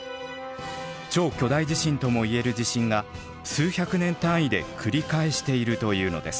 “超”巨大地震とも言える地震が数百年単位で繰り返しているというのです。